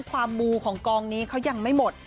มูของกองนี้เขายังไม่หมด